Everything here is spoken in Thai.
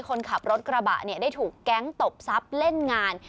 คนขับรถกระบะเนี่ยได้ถูกแก๊งตบทรัพย์เล่นงาน